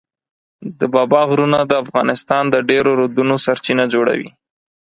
د بابا غرونه د افغانستان د ډېرو رودونو سرچینه جوړوي.